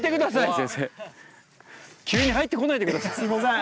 すいません。